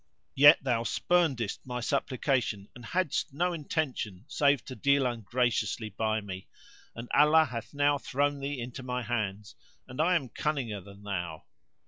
yet thou spurnedst my supplication and hadst no intention save to deal ungraciously by me, and Allah hath now thrown thee into my hands and I am cunninger than thou."